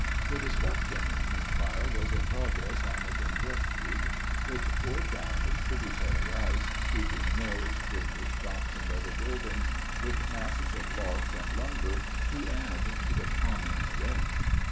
The destruction, meanwhile, was in progress on the Kenduskeag, which poured down its tributary ice, sweeping mills, bridges, shops, and other buildings, with masses of logs and lumber, to add to the common wreck.